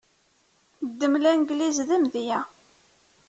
Ddem Langliz d amedya.